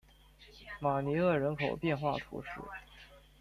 马尼厄人口变化图示